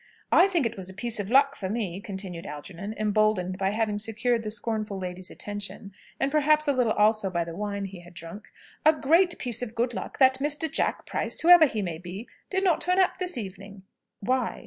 "I think it was a piece of luck for me," continued Algernon, emboldened by having secured the scornful lady's attention, and perhaps a little also by the wine he had drunk, "a great piece of good luck that Mr. Jack Price, whoever he may be, did not turn up this evening." "Why?"